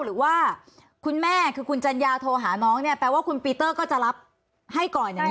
หรือว่าคุณแม่คือคุณจัญญาโทรหาน้องเนี่ยแปลว่าคุณปีเตอร์ก็จะรับให้ก่อนอย่างนี้